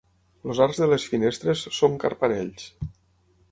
Els arcs de les finestres són carpanells.